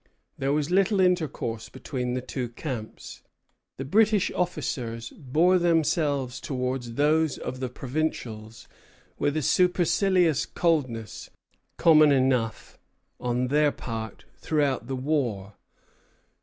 There was little intercourse between the two camps. The British officers bore themselves towards those of the provincials with a supercilious coldness common enough on their part throughout the war.